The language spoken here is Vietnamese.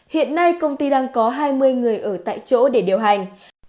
hiện nay công ty đang có hai mươi người ở tại chỗ để điều hành